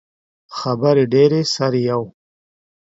خبرې ډیرې سر يې یو.